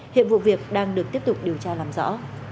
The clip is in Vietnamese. hiện vụ việc đang được tiếp tục điều tra làm rõ